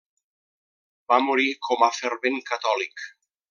Va morir com a fervent catòlic.